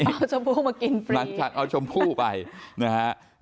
เอาชมพู่มากินหลังจากเอาชมพู่ไปนะฮะ